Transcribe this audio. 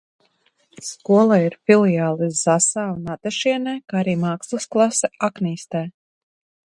Skolai ir filiāles Zasā un Atašienē, kā arī mākslas klase Aknīstē.